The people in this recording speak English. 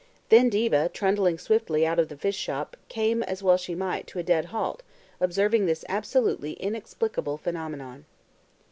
Then Diva, trundling swiftly out of the fish shop, came, as well she might, to a dead halt, observing this absolutely inexplicable phenomenon.